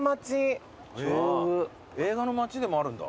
映画のまちでもあるんだ。